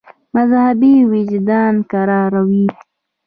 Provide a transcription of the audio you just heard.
مذهبي وجدان کراروي.